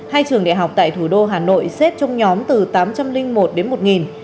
hai trường đại học tại thủ đô hà nội xếp trong nhóm từ tám trăm linh một đến một